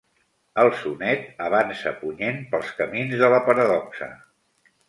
El sonet avança punyent pels camins de la paradoxa.